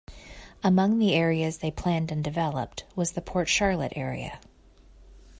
Among the areas they planned and developed was the Port Charlotte area.